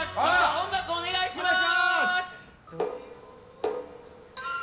音楽、お願いします！